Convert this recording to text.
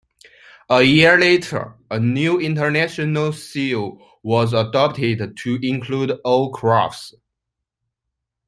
A year later, a new International seal was adopted to include all crafts.